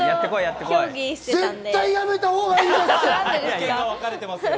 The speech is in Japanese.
絶対やめたほうがいいですよ。